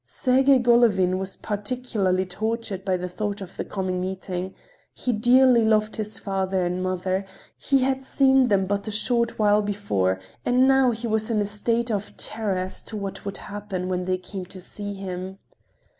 Sergey Golovin was particularly tortured by the thought of the coming meeting. He dearly loved his father and mother; he had seen them but a short while before, and now he was in a state of terror as to what would happen when they came to see him.